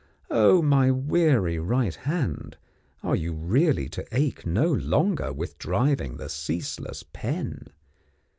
Oh, my weary right hand, are you really to ache no longer with driving the ceaseless pen?